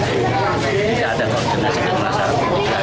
tidak ada koordinasi dengan masyarakat